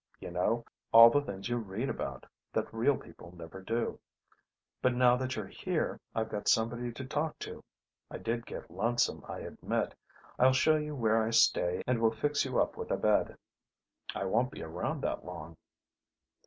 You know: all the things you read about, that real people never do. But now that you're here, I've got somebody to talk to. I did get lonesome, I admit. I'll show you where I stay and we'll fix you up with a bed." "I won't be around that long."